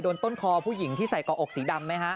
ต้นคอผู้หญิงที่ใส่กออกสีดำไหมฮะ